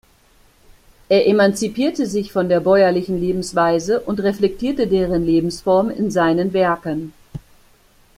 Er emanzipierte sich von der bäuerlichen Lebensweise und reflektierte deren Lebensform in seinen Werken.